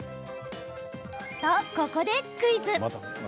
と、ここでクイズ。